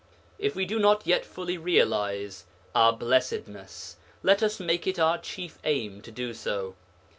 If we do not yet fully realize our blessedness, let us make it our chief aim to do so.